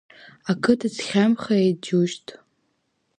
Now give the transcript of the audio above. Ақыҭа цқьамхеи, џьушьҭ!